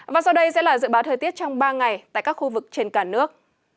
và sau đây sẽ là dự báo thời tiết trong ba ngày tại các khu vực trên cả nước